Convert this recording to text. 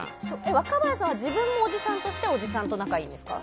若林さんは自分も、おじさんとしておじさんと仲がいいんですか？